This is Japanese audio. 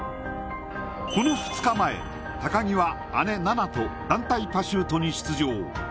この２日前、高木は姉・菜那と団体パシュートに出場。